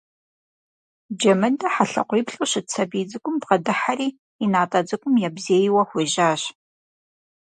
Джэмыдэ хьэлъакъуиплӀу щыт сабий цӀыкӀум бгъэдыхьэри и натӀэ цӀыкӀум ебзейуэ хуежьащ.